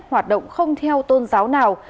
hoạt động không theo tôn giáo nào